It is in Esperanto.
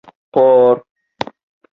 por